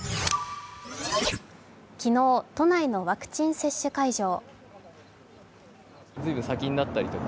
昨日、都内のワクチン接種会場。